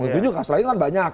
lebih juga kasus lain kan banyak